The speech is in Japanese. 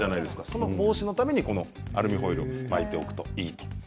それ防止のためにアルミホイルを巻いておくと、いいと。